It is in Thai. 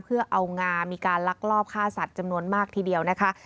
เพื่อเอางามีการลักลอบฆ่าสัตว์จำนวนมากทีเดียวนะคะ